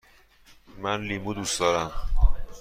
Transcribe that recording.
من لیمو دوست دارم.